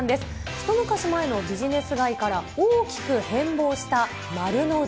一昔前のビジネス街から大きく変貌した丸の内。